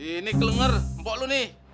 ini kelengar empok lo nih